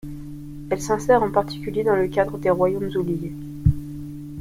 Elle s'insère en particulier dans le cadre des Royaumes oubliés.